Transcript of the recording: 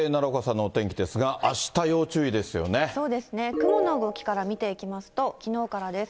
雲の動きから見ていきますと、きのうからです。